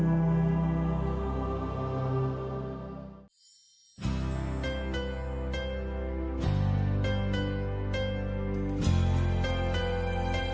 คือ